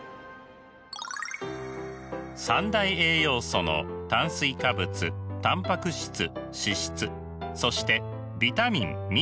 三大栄養素の炭水化物タンパク質脂質そしてビタミンミネラル。